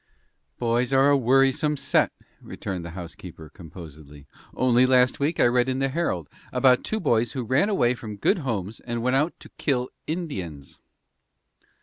"Boys are a worrisome set," returned the housekeeper, composedly. "Only last week I read in the Herald about two boys who ran away from good homes and went out to kill Indians."